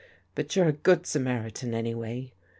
But you're a good Samaritan anyway.